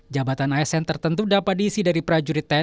jabatan asn tertentu dapat diisi dari prajurit tni